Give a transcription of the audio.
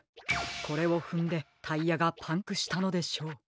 これをふんでタイヤがパンクしたのでしょう。